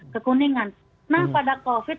kekuningan nah pada covid